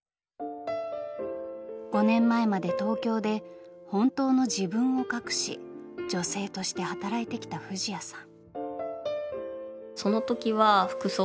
５年前まで東京で本当の自分を隠し女性として働いてきた藤彌さん。